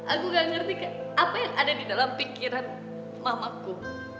aku gak ngerti apa yang ada di dalam pikiran mamaku